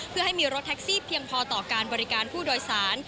เพื่อให้มีรถแท็กซี่เพียงพอต่อการบริการผู้โดยสาร